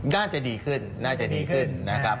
น่าจะดีขึ้นน่าจะดีขึ้นนะครับ